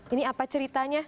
ini apa ceritanya